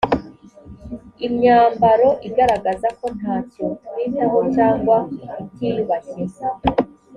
imyambaro igaragaza ko nta cyo twitaho cyangwa itiyubashye